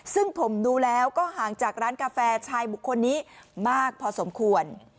ซึ่งผมดูแล้วก็ห่างจากร้านกาแฟชายบุคคลนี้มากพอสมควร